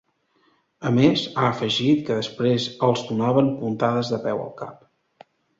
A més, ha afegit que després els donaven puntades de peu al cap.